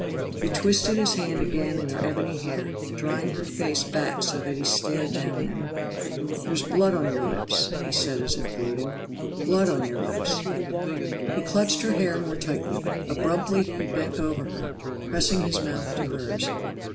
He twisted his hand again in her ebony hair, drawing her face back so that he stared down at it. "There's blood on your lips," he said as if gloating. "Blood on your lips!" He clutched her hair more tightly; abruptly he bent over her, pressing his mouth to hers.